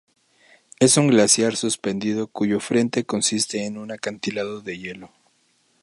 Es un glaciar suspendido cuyo frente consiste en un acantilado de hielo.